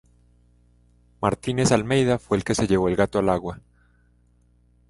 Martínez-Almeida fue el que se llevó el gato al agua.